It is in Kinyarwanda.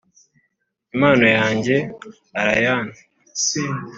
impano yanjye, allayne.